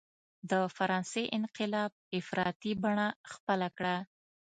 د فرانسې انقلاب افراطي بڼه خپله کړه.